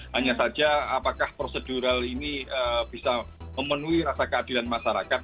hanya saja apakah prosedural ini bisa memenuhi rasa keadilan masyarakat